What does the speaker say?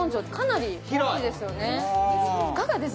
いかがです？